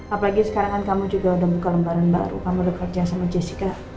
apalagi sekarang kan kamu juga udah buka lembaran baru kamu udah kerja sama jessica